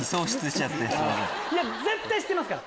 絶対知ってますから。